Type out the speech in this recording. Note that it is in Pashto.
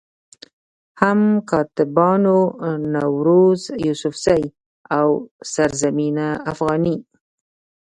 هم کاتبانو نوروز يوسفزئ، او سرزمين افغاني